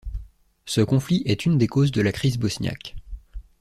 Ce conflit est une des causes de la crise bosniaque.